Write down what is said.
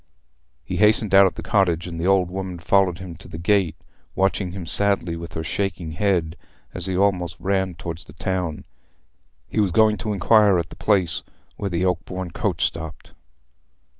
He hastened out of the cottage, and the old woman followed him to the gate, watching him sadly with her shaking head as he almost ran towards the town. He was going to inquire at the place where the Oakbourne coach stopped.